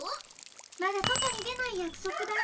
まだそとにでないやくそくだよ！